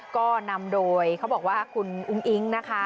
ก็นำโดยเขาบอกว่าคุณอุ้งอิ๊งนะคะ